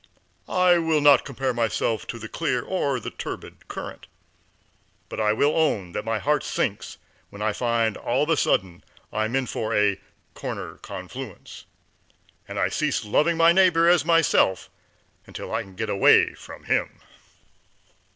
I will not compare myself to the clear or the turbid current, but I will own that my heart sinks when I find all of a sudden I am in for a corner confluence, and I cease loving my neighbor as myself until I can get away from him.